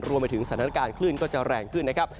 รวมไปถึงสถานการณ์คลื่นก็จะแรงขึ้นนะครับ